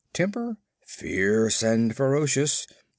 Temper, Fierce and Ferocious.